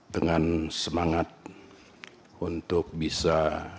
dengan semangat untuk bisa